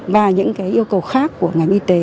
và những yêu cầu khác của ngành y tế